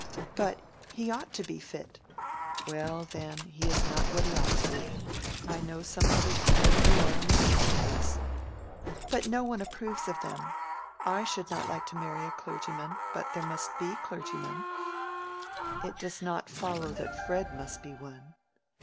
"But he ought to be fit."—"Well, then, he is not what he ought to be. I know some other people who are in the same case." "But no one approves of them. I should not like to marry a clergyman; but there must be clergymen." "It does not follow that Fred must be one."